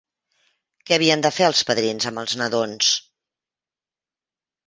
Què havien de fer els padrins amb els nadons?